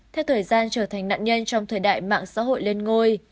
theo thời gian trở thành nạn nhân trong thời đại mạng xã hội lên ngôi